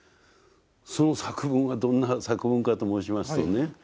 その作文はどんな作文かと申しますとね